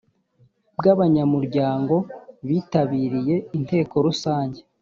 bw abanyamuryango bitabiriye inteko rusange